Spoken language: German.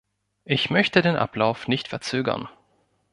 Ich möchte den Ablauf nicht verzögern.